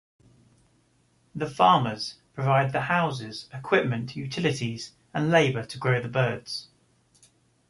The farmers provide the houses, equipment, utilities and labor to grow the birds.